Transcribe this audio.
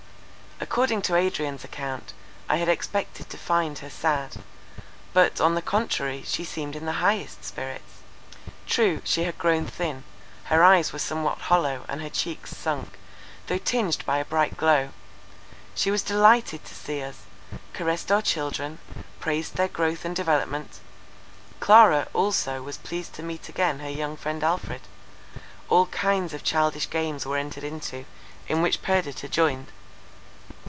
According to Adrian's account, I had expected to find her sad; but, on the contrary, she appeared in the highest spirits: true, she had grown thin, her eyes were somewhat hollow, and her cheeks sunk, though tinged by a bright glow. She was delighted to see us; caressed our children, praised their growth and improvement; Clara also was pleased to meet again her young friend Alfred; all kinds of childish games were entered into, in which Perdita joined.